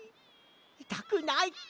いたくない！